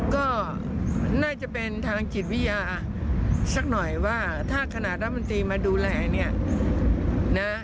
ก็น่าจะเป็นทางจิตวิทยาสักหน่อยว่าถ้าขนาดรัฐมนตรีมาดูแลเนี่ยนะ